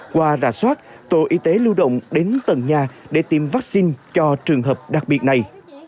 qua rà soát tổ y tế lưu động đến tầng nhà để tiêm vaccine cho trường hợp đặc biệt này